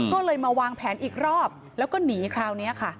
ก็เลยมาวางแผนอีกรอบแล้วก็หนีคราวนี้ค่ะ